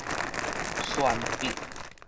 鑽筆